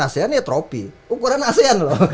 asean ya tropi ukuran asean loh